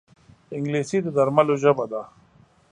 انګلیسي د درملو ژبه ده